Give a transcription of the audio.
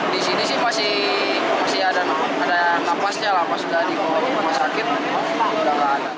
disini sih masih ada nafasnya lah pas sudah di rumah sakit udah gak ada